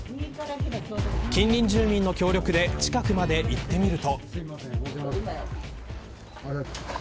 近隣住民の協力で近くまで行ってみると。